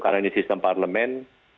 karena ini sistem parlemen